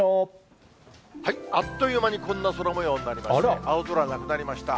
あっという間にこんな空もようになりまして、青空なくなりました。